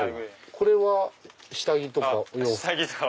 これは下着とかお洋服？